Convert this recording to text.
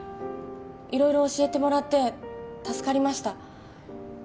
色々教えてもらって助かりました